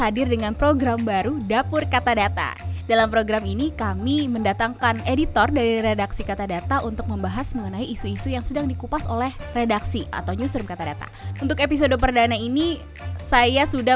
dapur kata data podcast